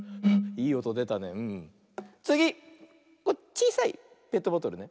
ちいさいペットボトルね。